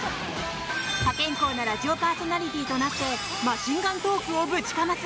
破天荒なラジオパーソナリティーとなってマシンガントークをぶちかます。